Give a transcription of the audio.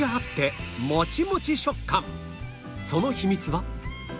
その秘密は